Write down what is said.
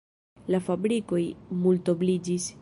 La fabrikoj multobliĝis.